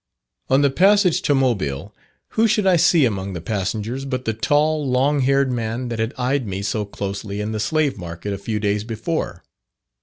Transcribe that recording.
"On the passage to Mobile, who should I see among the passengers, but the tall, long haired man that had eyed me so closely in the slave market a few days before.